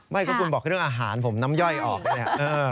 ไม่คุณบอกก็เรื่องอาหารผมน้ำยอดออกเลย